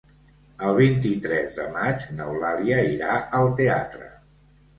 El vint-i-tres de maig n'Eulàlia irà al teatre.